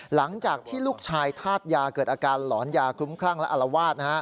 หลังจากที่ลูกชายธาตุยาเกิดอาการหลอนยาคลุ้มคลั่งและอารวาส